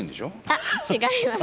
あっ違います。